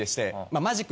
マジック？